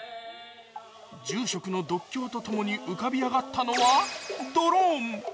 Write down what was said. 住職の読経とともに浮かび上がったのはドローン。